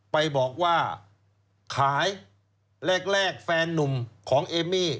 ไปบอกว่าขายแรกแฟนนุ่มของเอมมี่